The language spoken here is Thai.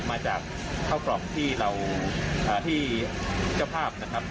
มาจากข้าวกล่องที่เราที่เจ้าภาพนะครับ